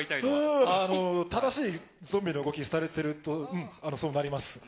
正しいゾンビの動きをされているとそうなります。